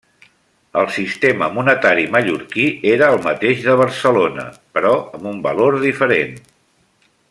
El sistema monetari mallorquí era el mateix de Barcelona, però amb un valor diferent.